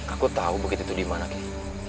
aku tahu bukit itu dimana kei